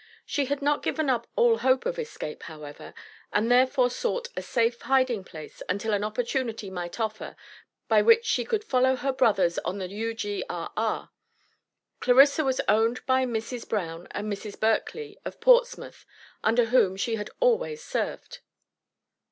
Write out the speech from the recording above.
She had not given up all hope of escape, however, and therefore sought "a safe hiding place until an opportunity might offer," by which she could follow her brothers on the U.G.R.R. Clarissa was owned by Mrs. Brown and Mrs. Burkley, of Portsmouth, under whom she had always served.